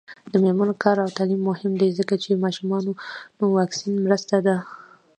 د میرمنو کار او تعلیم مهم دی ځکه چې ماشومانو واکسین مرسته ده.